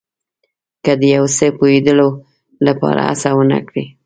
که د یو څه پوهېدلو لپاره هڅه ونه کړئ.